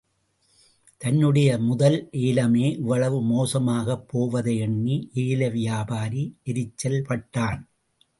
தன்னுடைய முதல் ஏலமே இவ்வளவு மோசமாகப் போவதை எண்ணி ஏலவியாபாரி எரிச்சல் பட்டான்.